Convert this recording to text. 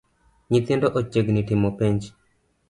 Nyithindo ochiegni timo penj